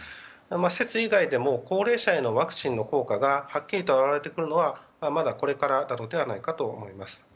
施設以外でも高齢者へのワクチンの効果がはっきりと表れてくるのはまだこれからではないかと思います。